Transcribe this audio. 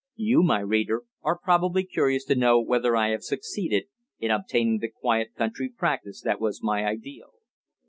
You, my reader, are probably curious to know whether I have succeeded in obtaining the quiet country practice that was my ideal.